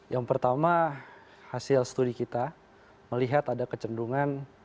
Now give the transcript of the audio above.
yang pertama hasil studi kita melihat ada kecenderungan